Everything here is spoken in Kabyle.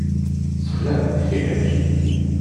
Ssexlaɛent tira-k.